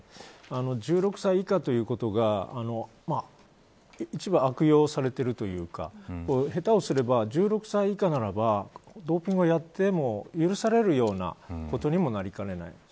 １６歳以下ということが一部悪用されているというか下手をすれば１６歳以下ならばドーピングはやっても許されるようなことにもなりかねない。